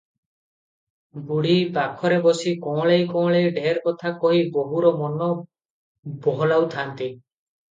ବୁଢ଼ୀ ପାଖରେ ବସି କଅଁଳେଇ କଅଁଳେଇ ଢେର କଥା କହି ବୋହୂର ମନ ବହଲାଉଥାନ୍ତି ।